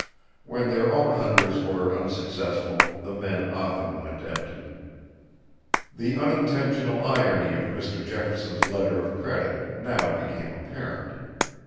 When their own hunters were unsuccessful, the men often went empty. The unintentional irony of Mr. Jefferson's letter of credit now became apparent.